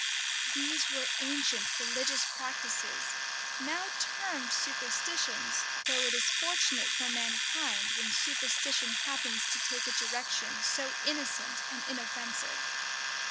These were ancient religious practices, now termed superstitions; though it is fortunate for mankind, when superstition happens to take a direction so innocent and inoffensive.